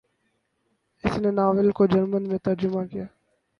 اس نے ناول کو جرمن میں ترجمہ کیا۔